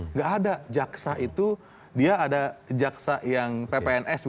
nggak ada jaksa itu dia ada jaksa yang ppns